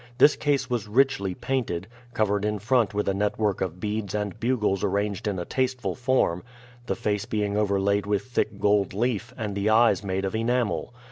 This case was richly painted, covered in front with a network of beads and bugles arranged in a tasteful form, the face being overlaid with thick gold leaf and the eyes made of enamel.